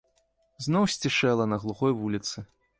Зноў сцішэла на глухой вуліцы.